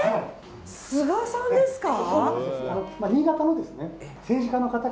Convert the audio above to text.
菅さんですか。